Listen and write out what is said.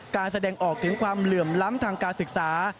แสดงออกถึงความเหลื่อมล้ำทางการศึกษา